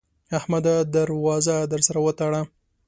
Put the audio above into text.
احمده! در وازه در سره وتړه.